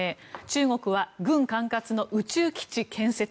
中国は軍管轄の宇宙基地建設。